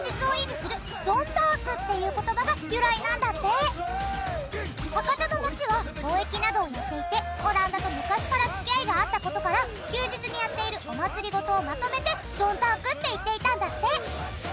博多どんたくの博多の町は貿易などをやっていてオランダと昔から付き合いがあった事から休日にやっているお祭り事をまとめて「ゾンターク」って言っていたんだって。